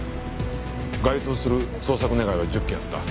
該当する捜索願は１０件あった。